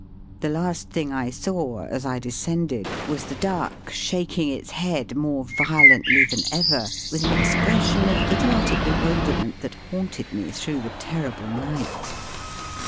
The last thing I saw as I descended was the duck shaking its Digitized by VjOOQIC 44 . EAST BY WEST. head more violently than ever, with an ex pression of idiotic bewilderment that haunted me through the terrible night.